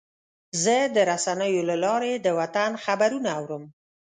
زه د رسنیو له لارې د وطن خبرونه اورم.